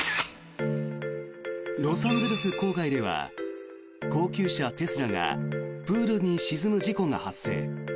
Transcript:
ロサンゼルス郊外では高級車テスラがプールに沈む事故が発生。